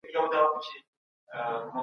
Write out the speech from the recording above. وران سوي توري د شعاع په مټ روښانه کیږي.